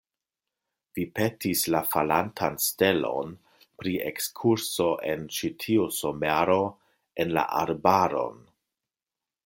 Vi petis la falantan stelon pri ekskurso en ĉi tiu somero en la arbaron.